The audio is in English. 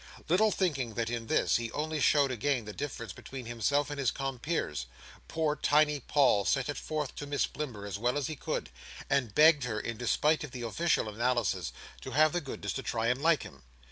Little thinking that in this, he only showed again the difference between himself and his compeers, poor tiny Paul set it forth to Miss Blimber as well as he could, and begged her, in despite of the official analysis, to have the goodness to try and like him.